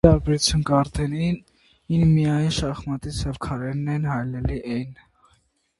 Ի տարբերություն Գարդների մինի շախմատի սև խաղաքրերը հայելային են։